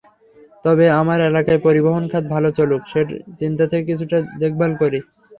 তবে আমার এলাকায় পরিবহন খাত ভালো চলুক—সেই চিন্তা থেকে কিছুটা দেখভাল করি।